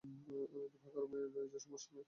ফাঁকা রুম রয়েছে, সমস্যা নেই।